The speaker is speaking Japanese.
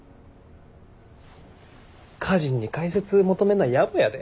歌人に解説求めんのはやぼやで。